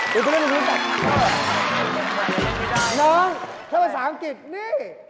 แฟนภาษาอังกฤษนี่นี่นี่นี่นี่